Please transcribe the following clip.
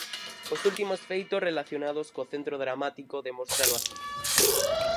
Os últimos feitos relacionados co Centro Dramático demóstrano así.